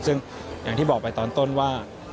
ซึ่งอย่างที่บอกไปตอนต้นว่า